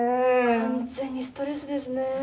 完全にストレスですね。